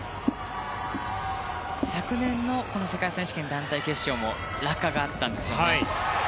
昨年の世界選手権団体決勝も落下があったんですよね。